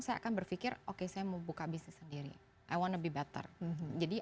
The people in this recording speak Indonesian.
saya akan berpikir oke saya mau buka bisnis sendiri i on a be better jadi